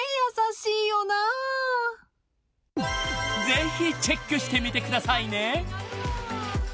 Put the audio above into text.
［ぜひチェックしてみてくださいね］